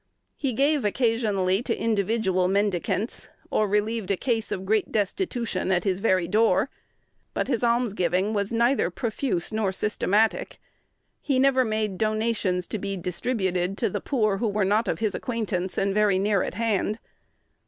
He gave occasionally to individual mendicants, or relieved a case of great destitution at his very door; but his alms giving was neither profuse nor systematic. He never made donations to be distributed to the poor who were not of his acquaintance and very near at hand.